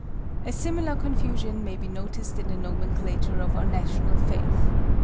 A similar confusion may be noticed in the nomenclature of our national faith.